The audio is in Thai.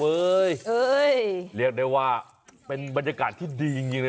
เรียกได้ว่าเป็นบรรยากาศที่ดีจริงนะ